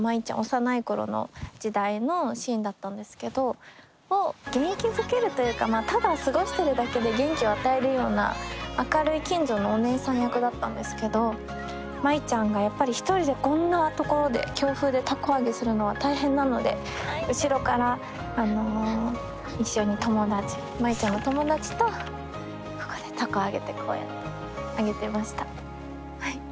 幼い頃の時代のシーンだったんですけど元気づけるというかただ過ごしてるだけで元気を与えるような明るい近所のおねえさん役だったんですけど舞ちゃんがやっぱり一人でこんな所で強風で凧揚げするのは大変なので後ろから一緒に舞ちゃんの友達とここで凧揚げてこうやって揚げてました。